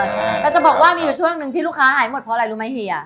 แต่จะบอกว่ามีอยู่ช่วงหนึ่งที่ลูกค้าหายหมดเพราะอะไรรู้ไหมเฮีย